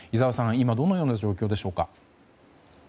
今どのような状況でしょうか。